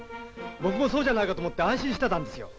僕もそうじゃないかと思って安心してたんですよ。